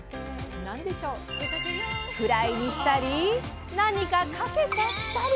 フライにしたり何かかけちゃったり！